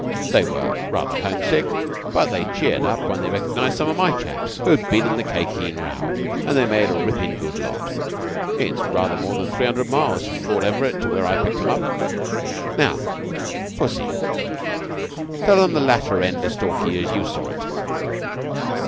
They were rather homesick, but they cheered up when they recognized some of my chaps, who had been in the Khye Kheen row, and they made a rippin' good lot. It's rather more than three hundred miles from Fort Everett to where I picked 'em up. Now, Pussy, tell 'em the latter end o' Stalky as you saw it."